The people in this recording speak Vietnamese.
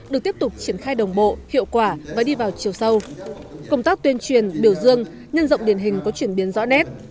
được tiếp tục triển khai đồng bộ hiệu quả và đi vào chiều sâu công tác tuyên truyền biểu dương nhân rộng điển hình có chuyển biến rõ nét